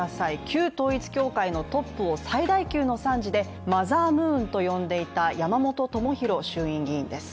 旧統一教会のトップを最大級の賛辞でマザームーンと呼んでいた山本朋広衆院議員です。